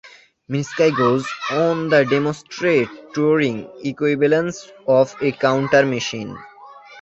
Minsky goes on to demonstrate Turing equivalence of a counter machine.